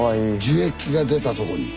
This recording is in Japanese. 樹液が出たとこに。